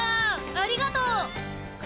ありがとう！